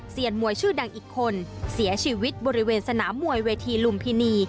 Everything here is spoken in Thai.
มวยชื่อดังอีกคนเสียชีวิตบริเวณสนามมวยเวทีลุมพินี